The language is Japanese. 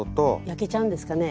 焼けちゃうんですかね？